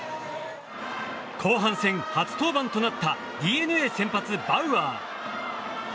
後半戦初登板となったＤｅＮＡ先発、バウアー。